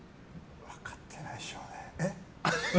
分かってないでしょうね。